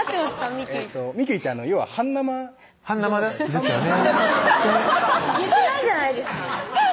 ミキュイミキュイって要は半生半生ですよね言ってないじゃないですか